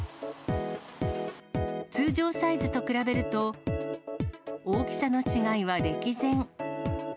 通常サイズと比べると、大きさの違いは歴然。